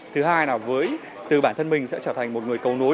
thứ hai là với từ bản thân mình sẽ trở thành một người cầu nối